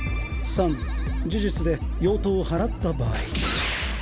３呪術で蠅頭を祓った場合。